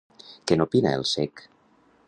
Què n'opina el cec?